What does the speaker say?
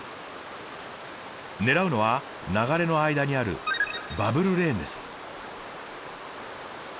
狙うのは流れの間にあるバブルレーンです。